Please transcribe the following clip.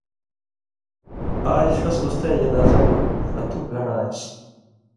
آژ ݜس اُستَیں جنازہ مہ ݜتک گھن٘ڑہۡ آن٘سیۡ